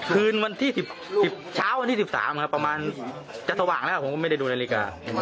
คืนวันที่๑๐เช้าวันที่๑๓ครับประมาณจะสว่างแล้วผมก็ไม่ได้ดูนาฬิกา